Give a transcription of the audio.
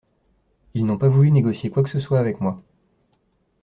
Ils n'ont pas voulu négocier quoi que ce soit avec moi.